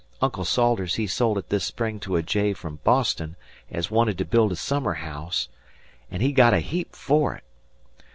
Uncle Salters he sold it this spring to a jay from Boston as wanted to build a summer haouse, an' he got a heap for it.